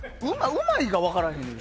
うまいが分からへんけど。